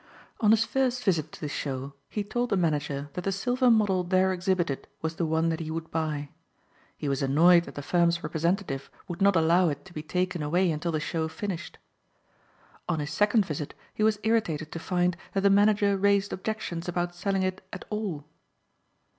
On his first visit to the show he told the manager that the silver model there exhibited was the one that he would buy. He was annoyed that the firm's representative would not allow it to be taken away until the show finished. On his second visit he was irritated to find that the manager raised objections about selling it at all.